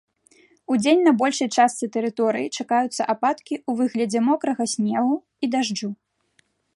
Удзень на большай частцы тэрыторыі чакаюцца ападкі ў выглядзе мокрага снегу і дажджу.